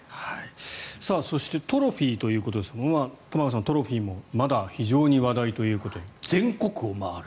そしてトロフィーということですが玉川さん、トロフィーもまだ非常に話題ということで全国を回る。